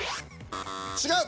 違う。